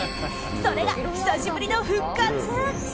それが久しぶりの復活。